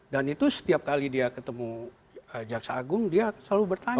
dan itu setiap kali dia ketemu jaksa agung dia selalu bertanya